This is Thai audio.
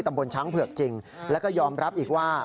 ตำบลช้างเผือกจริงแล้วก็ยอมรับอีกว่า